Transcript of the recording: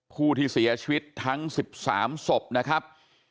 ผู้ที่เสียชีวิตทั้ง๑๓ศพนะครับ